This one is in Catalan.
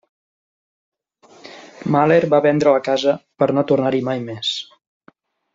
Mahler va vendre la casa per no tornar-hi mai més.